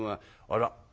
あら？